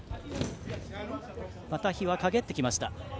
また日はかげってきました。